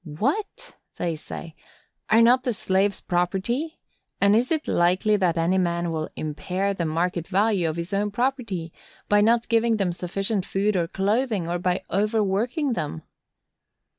"What!" they say, "are not the slaves property? and is it likely that any man will impair the market value of his own property by not giving them sufficient food or clothing, or by over working them?"